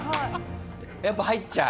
やっぱ入っちゃう？